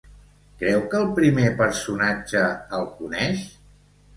Creu que el primer personatge el coneix?